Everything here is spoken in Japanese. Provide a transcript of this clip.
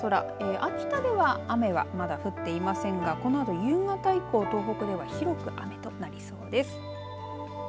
秋田では雨はまだ降っていませんがこのあと夕方以降東北では広く雨となりそうです。